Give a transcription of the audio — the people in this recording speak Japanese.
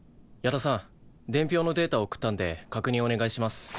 矢田さん伝票のデータ送ったんで確認お願いします。